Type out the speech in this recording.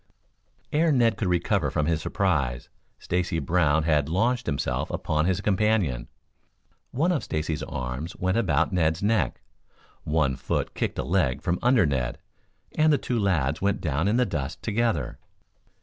Ere Ned could recover from his surprise, Stacy Brown had launched himself upon his companion. One of Stacy's arms went about Ned's neck, one foot kicked a leg from under Ned, and the two lads went down in the dust together.